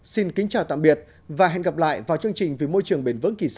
xin kính chào tạm biệt và hẹn gặp lại vào chương trình vì môi trường bền vững kỳ sau